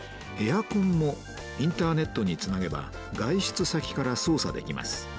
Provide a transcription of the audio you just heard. エアコンもインターネットにつなげば外出先から操作できます。